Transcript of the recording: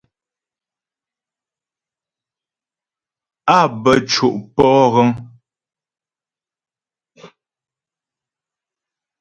Á bə́ co' pɔ'o ghəŋ.